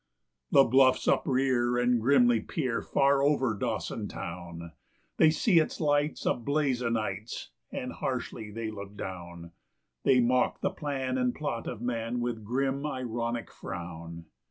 The bluffs uprear and grimly peer far over Dawson town; They see its lights a blaze o' nights and harshly they look down; They mock the plan and plot of man with grim, ironic frown.